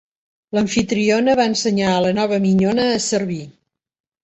L'amfitriona va ensenyar a la nova minyona a servir.